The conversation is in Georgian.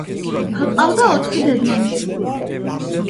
ჰყავდა ოთხი დედმამიშვილი.